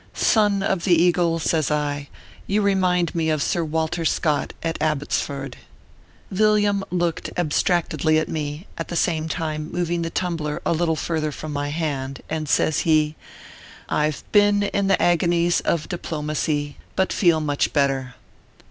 " Son of the Eagle," says I, " you remind me of Sir Walter Scott, at Abbotsford." Villiam looked abstractedly at me, at the same time moving the tumbler a little further from my hand, and says he : "I ve been in the agonies of diplomacy, but feel 180 OKPHEUS C. KERR PAPERS. much better.